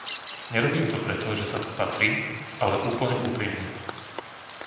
Nerobím to preto, že sa to patrí, ale úplne úprimne.